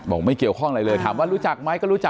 ไม่เกี่ยวข้องอะไรเลยถามว่ารู้จักไหมก็รู้จัก